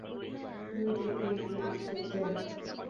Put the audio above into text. দুই দিকেই গুলি ছুঁড়তে হবে!